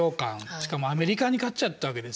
しかもアメリカに勝っちゃったわけですよね。